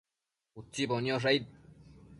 Utsimbo niosh aid